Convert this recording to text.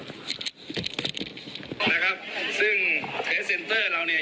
นะครับซึ่งเทศเซ็นเตอร์เรา